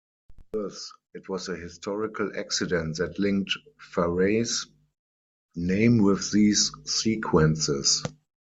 Thus it was a historical accident that linked Farey's name with these sequences.